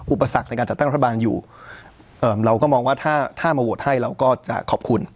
อุปสรรคในการจัดตั้งรัฐบาลอยู่เราก็มองว่าถ้ามาโหวตให้เราก็จะขอบคุณ